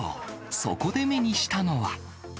そこで目にしたのは。